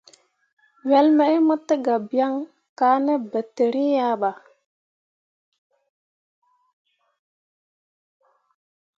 Wel mai mo tə ga byaŋ ka ne bentǝǝri ya ɓa.